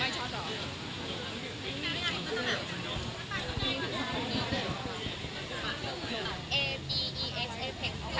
เกิดว่าเอบีอีเหเอสเอเป็ค